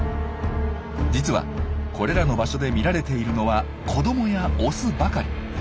実はこれらの場所で見られているのは子どもやオスばかり。